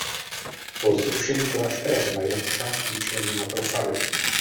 Po zrušení kláštera byla jeho část vyčleněna pro faru.